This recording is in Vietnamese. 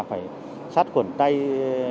là phải sát quần tay trước tiên